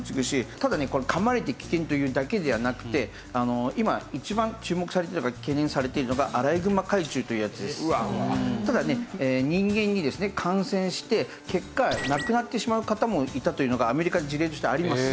ただね噛まれて危険というだけではなくて今一番注目されている懸念されているのがただね人間にですね感染して結果亡くなってしまう方もいたというのがアメリカの事例としてあります。